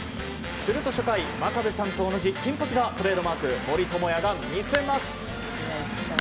すると初回、真壁さんと同じ金髪がトレードマーク森友哉が見せます。